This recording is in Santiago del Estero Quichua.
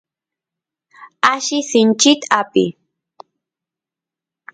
alli sinchit apiy